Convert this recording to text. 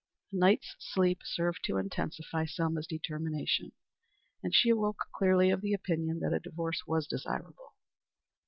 A night's sleep served to intensify Selma's determination, and she awoke clearly of the opinion that a divorce was desirable.